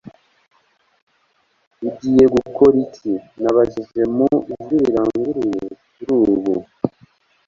ugiye gukora iki? nabajije mu ijwi riranguruye. kuri ubu